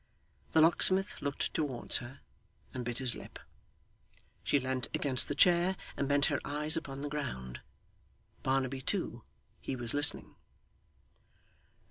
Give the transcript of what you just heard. The locksmith looked towards her, and bit his lip. She leant against the chair, and bent her eyes upon the ground. Barnaby too he was listening.